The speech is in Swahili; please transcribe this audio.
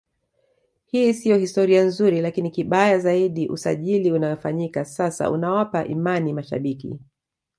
Hii sio historia nzuri lakini kibaya zaidi usajili unaofanyika sasa unawapa imani mashabiki